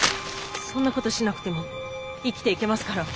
そんなことしなくても生きていけますから！